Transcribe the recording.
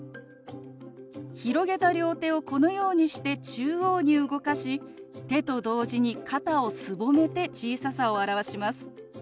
広げた両手をこのようにして中央に動かし手と同時に肩をすぼめて小ささを表します。